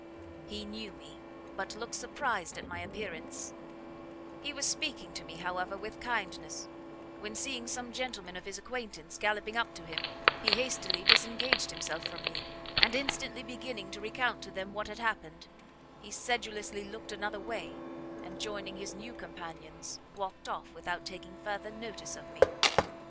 He knew me, but looked surprised at my appearance; he was speaking to me, however, with kindness, when seeing some gentlemen of his acquaintance gallopping up to him, he hastily disengaged himself from me, and instantly beginning to recount to them what had happened, he sedulously looked another way, and joining his new companions, walked off without taking further notice of me.